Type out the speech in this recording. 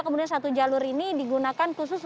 kemudian satu jalur ini digunakan khusus